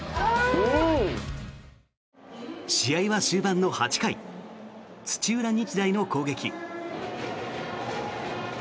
試合は終盤の８回土浦日大の攻撃。